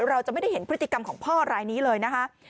เราจะไม่ได้เห็นพฤติกรรมของพ่อรายนี้เลยนะคะ